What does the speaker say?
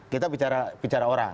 kita bicara orang